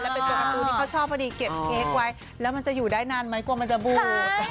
เป็นตัวการ์ตูนที่เขาชอบพอดีเก็บเค้กไว้แล้วมันจะอยู่ได้นานไหมกลัวมันจะบูด